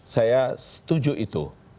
saya setuju itu